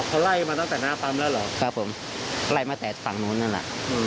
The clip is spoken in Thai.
เขาไล่มาตั้งแต่หน้าปั๊มแล้วเหรอครับผมไล่มาแต่ฝั่งนู้นนั่นแหละ